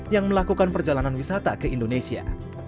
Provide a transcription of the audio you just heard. yang melakukan perjalanan wisata ke indonesia